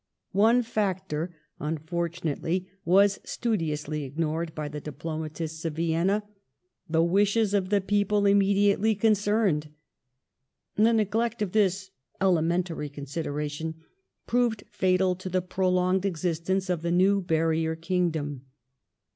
One factor, unfortunately, was studiously ignored by the diplo matists of Vienna — the wishes of the peoples immediately con cerned. The neglect of this elementary consideration proved fatal to the prolonged existence of the new barrier kingdom.